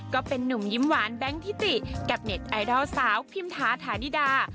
ก็เป็นนุ่มยิ้มหวานแบงค์ทิติกับเน็ตไอดอลสาวพิมทาฐานิดา